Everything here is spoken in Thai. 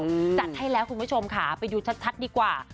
จัดให้แล้วคุณผู้ชมค่ะไปดูชัดดีกว่า